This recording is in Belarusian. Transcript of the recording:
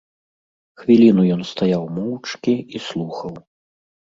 Хвіліну ён стаяў моўчкі і слухаў.